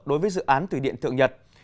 đối với dự án thủy điện thượng nhật